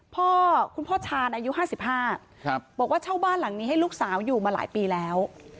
คุณพ่อคุณพ่อชาญอายุ๕๕บอกว่าเช่าบ้านหลังนี้ให้ลูกสาวอยู่มาหลายปีแล้ว